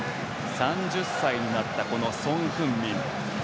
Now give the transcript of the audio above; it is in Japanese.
３０歳になったソン・フンミン。